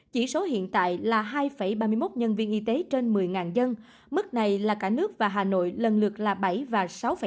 chỉ số hiện tại là hai ba mươi một nhân viên y tế trên một mươi dân mức này là cả nước và hà nội lần lượt là bảy và sáu bảy